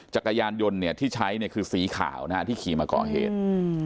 จักรยานยนต์ที่ใช้คือสีขาวที่ขี่มาก่อเหตุ